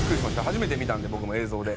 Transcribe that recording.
初めて見たんで僕も映像で。